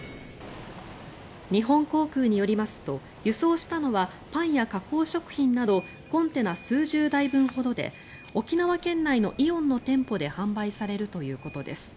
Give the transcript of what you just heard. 日本航空によりますと輸送したのはパンや加工食品などコンテナ数十台分ほどで沖縄県内のイオンの店舗で販売されるということです。